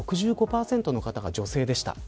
６５％の方が女性でした。